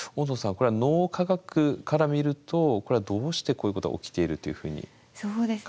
これは脳科学から見るとこれはどうしてこういうことが起きているというふうに考えられますか？